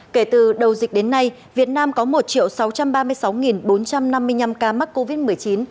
kể từ đầu dịch đến nay việt nam có một sáu trăm ba mươi sáu bốn trăm năm mươi năm ca mắc covid một mươi chín